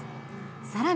さらに。